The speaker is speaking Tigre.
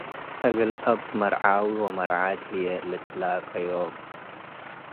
እግል አብ መርዓዊ ወመርዓት ህዬ ልትላከዮም ።